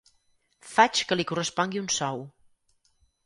Faig que li correspongui un sou.